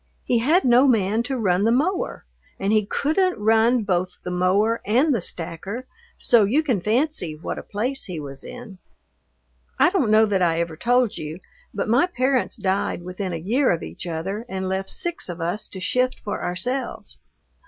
He had no man to run the mower and he couldn't run both the mower and the stacker, so you can fancy what a place he was in. I don't know that I ever told you, but my parents died within a year of each other and left six of us to shift for ourselves.